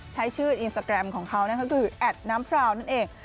ใช้ชื่ออินสตาแกรมของเขานะคะคือแอดน้ำพราวนั่นเอง